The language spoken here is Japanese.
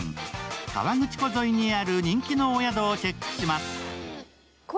河口湖沿いにある人気のお宿をチェックします。